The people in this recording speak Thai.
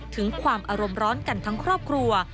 ถึงความอารมณ์ร้อนกันทั้งครอบครัว